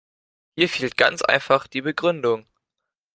Hier fehlt ganz einfach die Begründung.